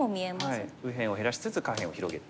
そうですね右辺を減らしつつ下辺を広げる。